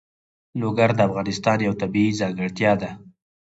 لوگر د افغانستان یوه طبیعي ځانګړتیا ده.